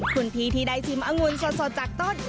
คุณพี่ที่ได้ชิมองุ่นสดจากต้น